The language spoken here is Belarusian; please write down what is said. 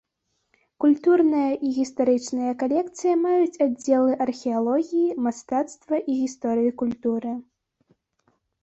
Культурная і гістарычная калекцыя маюць аддзелы археалогіі, мастацтва і гісторыі культуры.